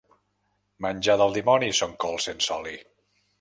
Menjar del dimoni són cols sense oli.